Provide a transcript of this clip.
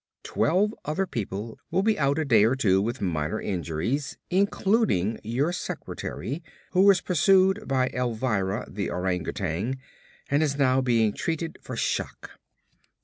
Twelve other people will be out a day or two with minor injuries, including your secretary who was pursued by Elvira, the orangutan, and is now being treated for shock."